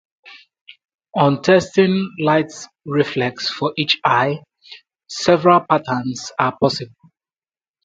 On testing light reflex for each eye, several patterns are possible.